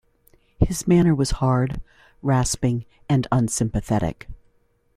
His manner was hard, rasping, and unsympathetic.